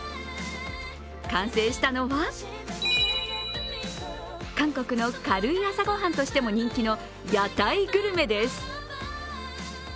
完成したのは、韓国の軽い朝ごはんとしても人気の屋台グルメです。